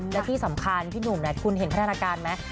และที่สำคัญพี่หนุ่มคุณเห็นพัฒนาการไหม